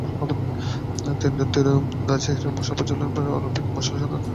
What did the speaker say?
তিরন্দাজের মশাল প্রজ্বলনঅলিম্পিকের মশাল সাধারণত স্বাগতিক দেশের একজন বিখ্যাত ক্রীড়াবিদকে দিয়ে জ্বালানো হয়।